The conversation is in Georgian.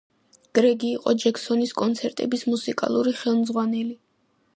გრეგი იყო ჯექსონის კონცერტების მუსიკალური ხელმძღვანელი.